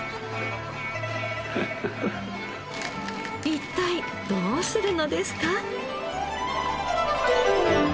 一体どうするのですか？